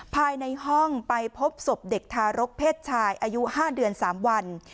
ภายในห้องไปพบศพเด็กทารกเพศชายอายุ๕เดือน๓วัน